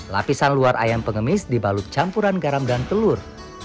lapisan luar ayam pengemis dibalut campuran garam dan telur